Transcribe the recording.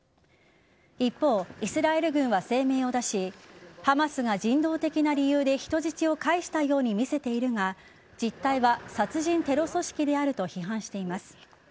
一方、イスラエル軍は声明を出しハマスが人道的な理由で人質を返したように見せているが実態は殺人テロ組織であると批判しています。